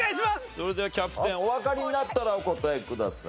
それではキャプテンおわかりになったらお答えください。